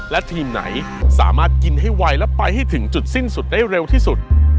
และทีมไหนสามารถกินให้ไวและไปให้ถึงจุดสิ้นสุดได้เร็วที่สุด